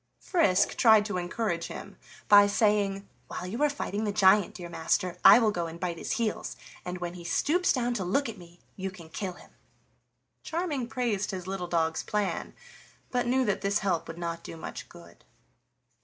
Frisk tried to encourage him by saying: "While you are fighting the giant, dear master, I will go and bite his heels, and when he stoops down to look at me you can kill him." Charming praised his little dog's plan, but knew that this help would not do much good.